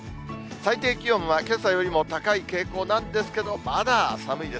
最低気温はけさよりも高い傾向なんですけど、まだ寒いです。